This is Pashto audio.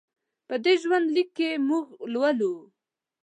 په دې ژوند لیک کې موږ لولو.